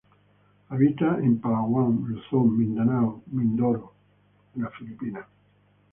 Habita en Palawan, Luzon, Mindanao, Mindoro en Filipinas.